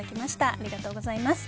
ありがとうございます。